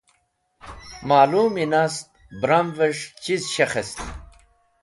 Malũmi nast bramẽs̃h chiz shekhẽst